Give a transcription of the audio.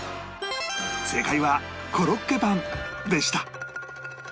正解はコロッケパンでした